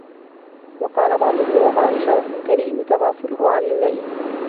وَقَالَ بَعْضُ الْبُلَغَاءِ شَرَفُ الْكَرِيمِ تَغَافُلُهُ عَنْ اللَّئِيمِ